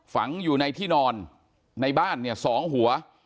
ฝังอยู่ในที่นอนในบ้านเนี่ย๒หัว